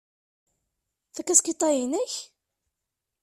Takaskiṭ-a inek?